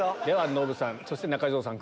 ノブさんそして中条さん